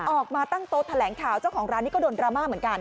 ออกมาตั้งโต๊ะแถลงข่าวเจ้าของร้านนี้ก็โดนดราม่าเหมือนกัน